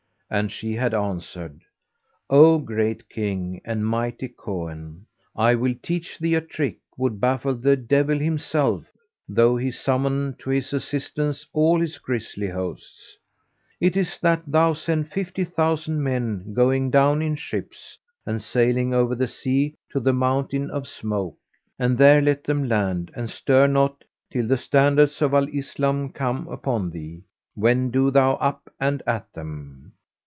And she had answered, "O great King and mighty Cohen, I will teach thee a trick would baffle the Devil himself though he summon to his assistance all his grisly hosts. It is that thou send fifty thousand men going down in ships, and sailing over the sea to the Mountain of Smoke; and there let them land and stir not till {he standards of Al Islam come upon thee, when do thou up and at them.